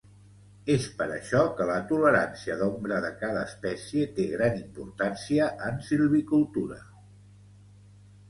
És per això que la tolerància d’ombra de cada espècie té gran importància en silvicultura.